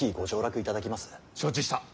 承知した。